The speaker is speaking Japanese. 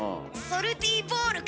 ソルティーボール？